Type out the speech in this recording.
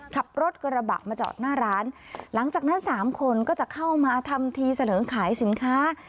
ขับรถกระบะมาจอดหน้าร้านหลังจากนั้นสามคนก็จะเข้ามาทำทีเสนอขายสินค้า